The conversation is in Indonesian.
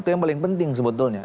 itu yang paling penting sebetulnya